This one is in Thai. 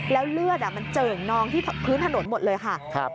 แล้วเลือดมันเจิ่งนองที่พื้นถนนหมดเลยค่ะ